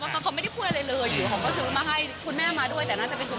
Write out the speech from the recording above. เขาไม่ได้พูดอะไรเลยอยู่